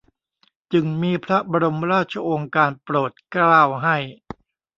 จึ่งมีพระบรมราชโองการโปรดเกล้า ให้